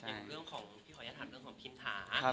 เรื่องของภิมทา